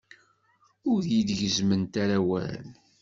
Ur yi-gezzmemt ara awal.